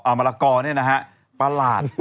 อ่ามะกอกเนี่ยนะฮะประหลาด